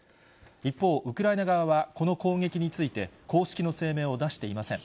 一方、ウクライナ側は、この攻撃について、公式の声明を出していません。